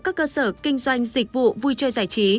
các cơ sở kinh doanh dịch vụ vui chơi giải trí